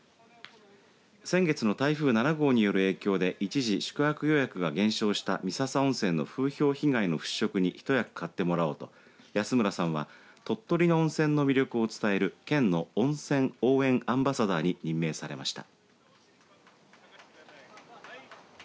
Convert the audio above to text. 先月の台風７号による影響で一時宿泊予約が減少した三朝温泉の風評被害の払拭に一役買ってもらおうと安村さんは鳥取の温泉の魅力を伝える県の温泉応援アンバサダーに任命されました。